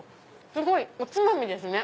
すごい！おつまみですね